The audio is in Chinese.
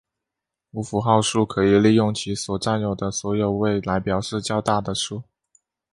无符号数可以利用其所占有的所有位来表示较大的数。